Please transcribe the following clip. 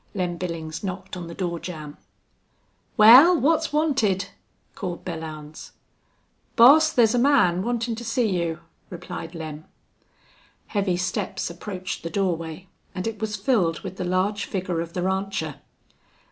Lem Billings knocked on the door jamb. "Wal, what's wanted?" called Belllounds. "Boss, thar's a man wantin' to see you," replied Lem. Heavy steps approached the doorway and it was filled with the large figure of the rancher.